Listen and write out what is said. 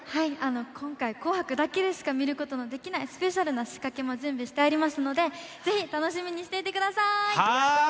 今回、紅白だけでしか見ることのできないスペシャルな仕掛けも準備してありますのでぜひ楽しみにしてください！